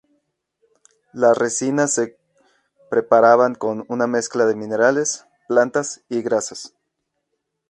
Las resinas se preparaban con una mezcla de minerales, plantas y grasas.